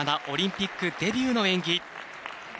オリンピックデビューの演技。